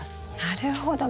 なるほど。